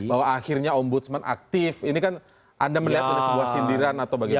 bahwa akhirnya om busman aktif ini kan anda melihat dengan sebuah sindiran atau bagaimana